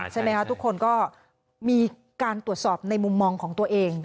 ใช่ไหมคะทุกคนก็มีการตรวจสอบในมุมมองของตัวเอง